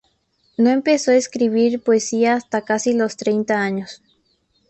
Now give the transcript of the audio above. No empezó a escribir poesía hasta casi los treinta años.